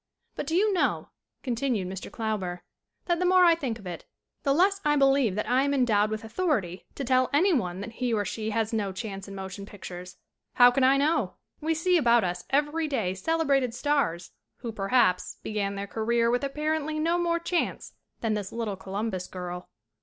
"But do you know," continued Mr. Klauber, "that the more I think of it the less I believe that I am endowed with authority to tell any one that he or she has no chance in motion pictures. How can I know? We see about us every day celebrated stars who, perhaps, began their career with apparently no more chance than this little Columbus girl."